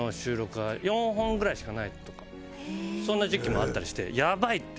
そんな時期もあったりしてやばい！って。